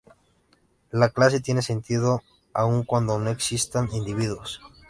La clase tiene sentido aun cuando no existan individuos.